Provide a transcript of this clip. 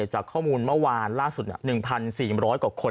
จากข้อมูลเมื่อวานล่าสุด๑๔๐๐กว่าคน